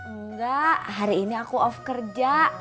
enggak hari ini aku off kerja